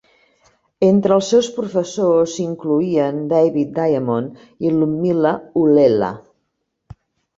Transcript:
Entre els seus professors s'incloïen David Diamond i Ludmila Uhlela.